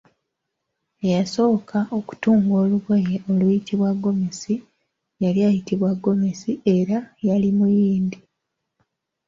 Eyasooka okutunga olugoye oluyitibwa gomesi yali ayitibwa Gomesi era yali Muyindi.